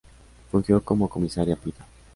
Fungió como comisaría política.